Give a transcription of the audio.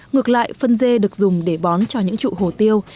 ngược lại phân dê được dùng để bón cho những trụ hồ tiêu